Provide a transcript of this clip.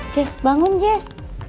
jess bangun jess